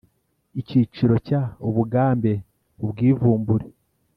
Icyiciro cya ubugande ubwivumbure